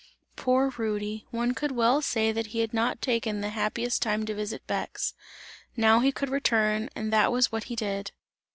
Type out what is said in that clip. Poor Rudy, one could well say that he had not taken the happiest time to visit Bex; now he could return and that was what he did.